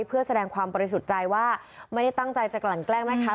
เพื่อแสดงความบริสุทธิ์ใจว่าไม่ได้ตั้งใจจะกลั่นแกล้งแม่ค้า